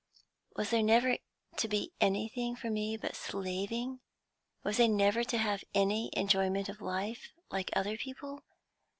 Was there never to be anything for me but slaving? Was I never to have any enjoyment of life, like other people?